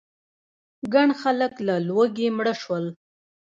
ګڼ خلک له لوږې مړه شول.